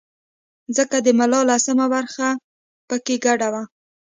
ځکه د ملا لسمه برخه په کې ګډه وه.